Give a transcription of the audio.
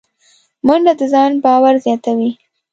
منډه د ځان باور زیاتوي